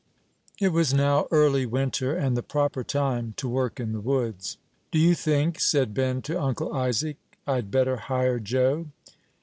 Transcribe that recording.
It was now early winter, and the proper time to work in the woods. "Do you think," said Ben to Uncle Isaac, "I'd better hire Joe?"